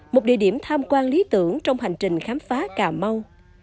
một địa điểm tham quan lý tưởng trong hành trình khám phá cà mau